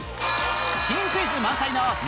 新クイズ満載の２時間